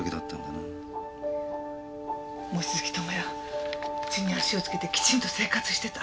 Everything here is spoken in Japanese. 望月友也地に足をつけてきちんと生活してた。